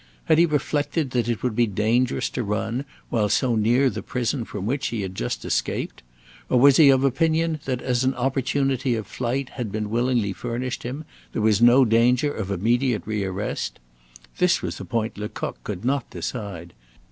Had he reflected that it would be dangerous to run while so near the prison from which he had just escaped? Or was he of opinion that as an opportunity of flight had been willingly furnished him, there was no danger of immediate rearrest? This was a point Lecoq could not decide.